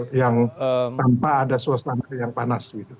tanpa ada suasana yang panas